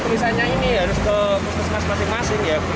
misalnya ini harus ke puskesmas masing masing ya